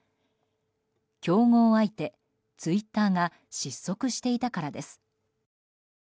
競合相手、ツイッターが失速していたからです。